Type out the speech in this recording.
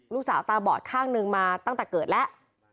ลูกสาวตาบอดข้างนึงมาตั้งแต่เกิดแล้ว